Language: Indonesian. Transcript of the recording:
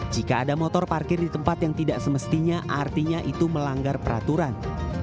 jika ada motor parkir di tempat yang tidak semestinya artinya itu melanggar peraturan